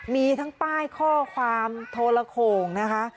มีทั้งป้ายข้อความโทรโขงนะคะ